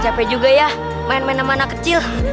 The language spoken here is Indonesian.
capek juga ya main main sama anak kecil